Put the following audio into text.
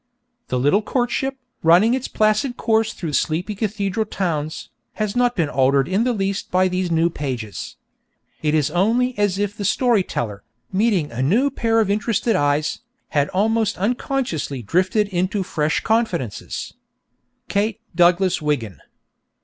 The little courtship, running its placid course through sleepy cathedral towns, has not been altered in the least by these new pages. It is only as if the story teller, meeting a new pair of interested eyes, had almost unconsciously drifted into fresh confidences._ _KATE DOUGLAS WIGGIN.